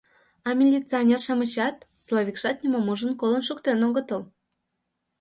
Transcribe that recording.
А милиционер-шамычат, Славикшат нимом ужын-колын шуктен огытыл.